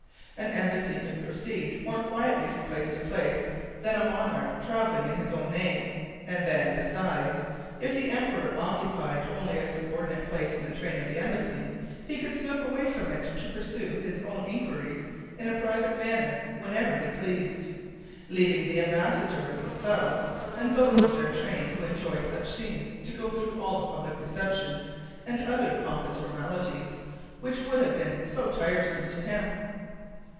An embassy could proceed more quietly from place to place than a monarch traveling in his own name; and then besides, if the emperor occupied only a subordinate place in the train of the embassy, he could slip away from it to pursue his own inquiries in a private manner whenever he pleased, leaving the embassadors themselves and those of their train who enjoyed such scenes to go through all the public receptions and other pompous formalities which would have been so tiresome to him.